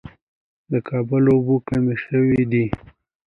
د کابل اوبه کمې شوې دي